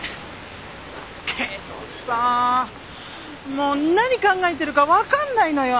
けどさもう何考えてるかわかんないのよ